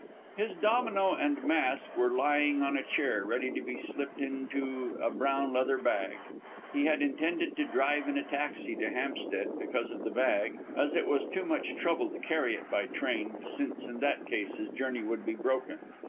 His domino and mask were lying on a chair, ready to be slipped into a brown leather bag. He had intended to drive in a taxi to Hampstead, because of the bag, as it was too much trouble to carry it by train, since in that case his journey would be broken.